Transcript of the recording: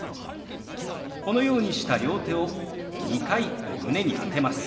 このようにした両手を２回胸に当てます。